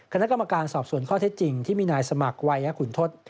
คณะกรรมการสอบส่วนข้อเท็จจริงที่มีนายสมัครวัยยขุนทศ